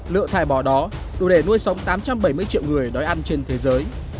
lượng thải bò đó đủ để nuôi sống tám trăm bảy mươi triệu người đói ăn trên thế giới